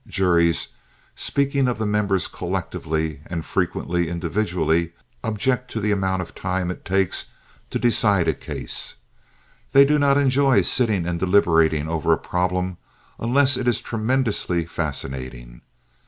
Juries, speaking of the members collectively and frequently individually, object to the amount of time it takes to decide a case. They do not enjoy sitting and deliberating over a problem unless it is tremendously fascinating.